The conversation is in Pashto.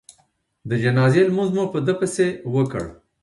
د جنازې لمونځ مو په ده پسې وکړ.